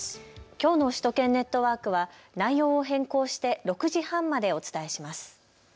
きょうの首都圏ネットワークは内容を変更して６時半までお伝えします。